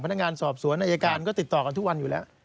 พนักงานสอบสวนอายการก็ติดต่อกันทุกวันอยู่แล้ว